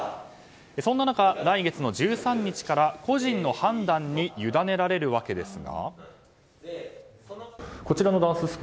そんな中、来月の１３日から個人の判断に委ねられるわけですが。